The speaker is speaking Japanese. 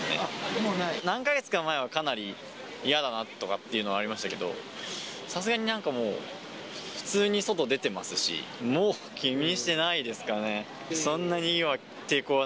何か月か前は、かなり嫌だなとかっていうのはありましたけど、さすがになんかもう、普通に外出てますし、もう気にしてないですかね。